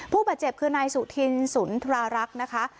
ผู้บาดเจ็บคือนายสุธินสุนทรารักษ์นะคะ